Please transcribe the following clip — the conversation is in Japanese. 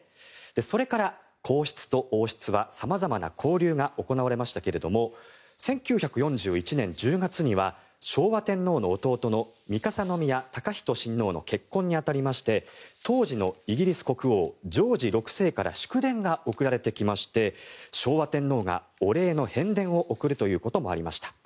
それから皇室と王室は様々な交流が行われましたけれど１９４１年１０月には昭和天皇の弟の三笠宮崇仁親王の結婚に当たりまして当時のイギリス国王ジョージ６世から祝電が送られてきまして昭和天皇がお礼の返電を送るということもありました。